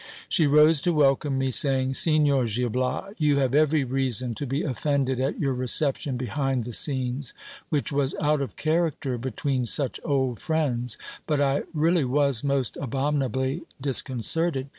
She rose to welcome me, saying : Signor Gil Bias, you have every reason to be offended at your reception behind the scenes, which was out of character between such old friends, but I really was most abominably disconcerted.